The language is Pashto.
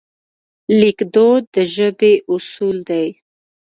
لیکدود د ژبې اصول دي.